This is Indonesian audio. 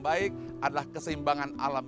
baik adalah keseimbangan alam